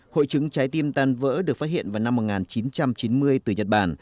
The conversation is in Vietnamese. hội chứng trái tim tan vỡ được phát hiện vào năm một nghìn chín trăm chín mươi từ nhật bản